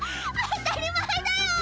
当たり前だよ！